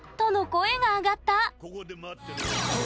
声が上がった！